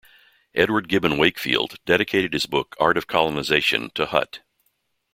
Edward Gibbon Wakefield dedicated his book "Art of Colonization" to Hutt.